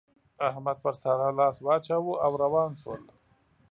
احمد پر سارا لاس واچاوو او روان شول.